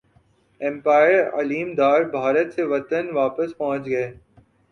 empire Aleem Dar Bharat سے وطن واپس پہنچ گئے